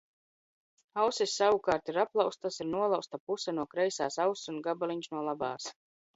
Ausis savukārt ir aplauztas — ir nolauzta puse no kreisās auss un gabaliņš no labās.